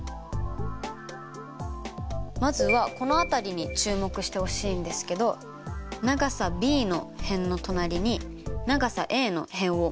まずはこの辺りに注目してほしいんですけど長さｂの辺の隣に長さａの辺を持ってきたかったからです。